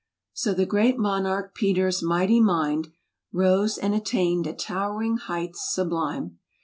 So the great monarch Peter's mighty mind Rose, and attained a towering height sublime'.